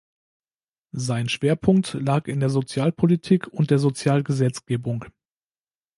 Sein Schwerpunkt lag in der Sozialpolitik und der Sozialgesetzgebung.